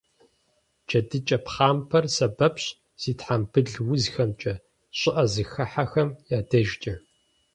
ДжэдыкӀэ пхъампэр сэбэпщ зи тхьэмбыл узхэмкӀэ, щӀыӀэ зыхыхьахэм я дежкӀэ.